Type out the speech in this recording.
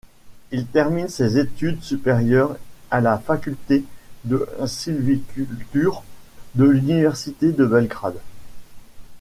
Il termine ses études supérieures à la faculté de sylviculture de l'université de Belgrade.